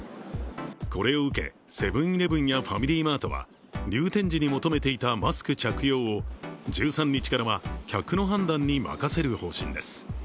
これを受け、セブン−イレブンやファミリーマートは入店時に求めていたマスク着用を１３日からは客の判断に任せる方針です。